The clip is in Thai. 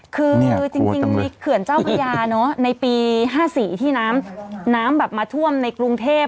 คือจริงมีเขื่อนเจ้าพญาในปี๕๔ที่น้ำแบบมาท่วมในกรุงเทพ